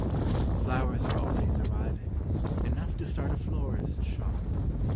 Flowers were always arriving, enough to start a florist's shop.